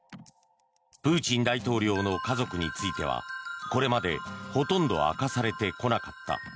プーチン大統領の家族についてはこれまでほとんど明かされてこなかった。